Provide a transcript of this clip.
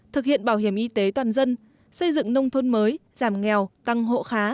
thực hiện bảo hiểm y tế toàn dân xây dựng nông thôn mới giảm nghèo tăng hộ khá